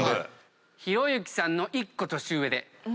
ひろゆきさんの１個年上で。